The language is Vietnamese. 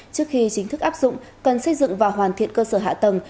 trước khi chính thức áp dụng cần xây dựng và hoàn thiện cơ sở hạ tầng